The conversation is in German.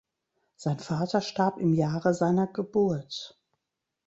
Sein Vater starb im Jahre seiner Geburt.